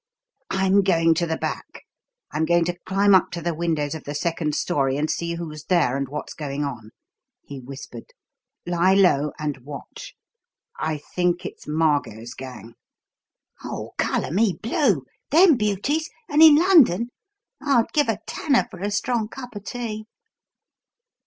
"I'm going to the back; I'm going to climb up to the windows of the second storey and see who's there and what's going on," he whispered. "Lie low and watch. I think it's Margot's gang." "Oh, colour me blue! Them beauties? And in London? I'd give a tanner for a strong cup o' tea!"